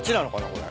これ。